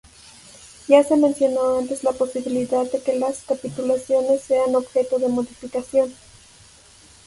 Ya se mencionó antes la posibilidad de que las capitulaciones sean objeto de modificación.